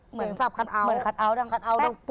เหมือนคัทแอ๊วต่ำ